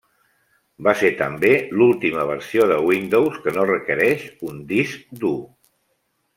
Va ser també l'última versió de Windows que no requereix un disc dur.